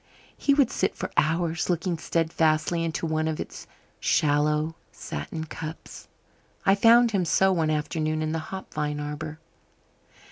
He would sit for hours looking steadfastly into one of its shallow satin cups. I found him so one afternoon in the hop vine arbour.